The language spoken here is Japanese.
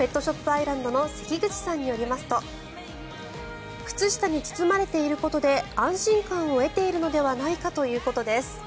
アイランドの関口さんによりますと靴下に包まれていることで安心感を得ているのではないかということです。